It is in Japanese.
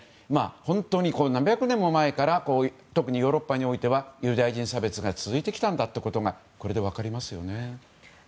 本当に何百年も前から特にヨーロッパにおいてはユダヤ人差別が続いてきたんだということがこれで分かりますね。